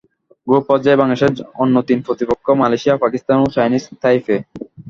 Group পর্যায়ে বাংলাদেশের অন্য তিন প্রতিপক্ষ মালয়েশিয়া, পাকিস্তান ও চায়নিজ তাইপে।